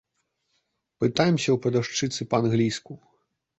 Пытаемся ў прадаўшчыцы па-англійску.